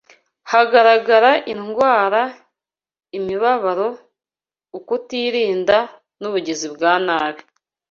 hagaragara indwara, imibabaro, ukutirinda, n’ubugizi bwa nabi.